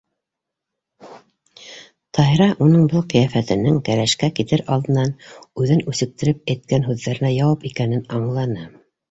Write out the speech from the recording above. Таһира уның был ҡиәфәтенең кәләшкә китер алдынан үҙен үсектереп әйткән һүҙҙәренә яуап икәнен аңланы.